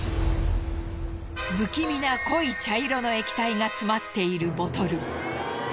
不気味な濃い茶色の液体が詰まっているボトル。